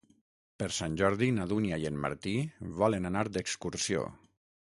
Per Sant Jordi na Dúnia i en Martí volen anar d'excursió.